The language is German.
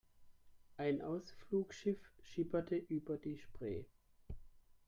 Ein Ausflugsschiff schipperte über die Spree.